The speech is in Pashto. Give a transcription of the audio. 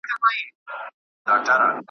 را ایستل یې رنګ په رنګ داسي ږغونه .